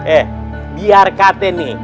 eh biar kata nih